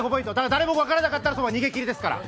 誰も分からなかったらそのまま逃げ切りですから。